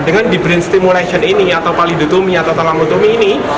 dengan di brain stimulation ini atau palidotumi atau talangutumi ini